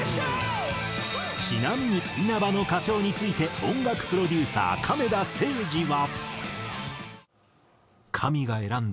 ちなみに稲葉の歌唱について音楽プロデューサー亀田誠治は。